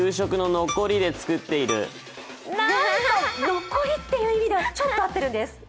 残りっという意味ではちょっと合ってるんです。